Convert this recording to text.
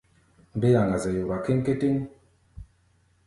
Mbé yaŋa-zɛ yora kéŋkétéŋ.